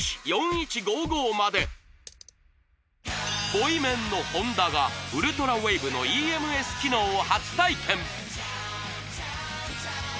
ボイメンの本田がウルトラウェーブのＥＭＳ機能を初体験！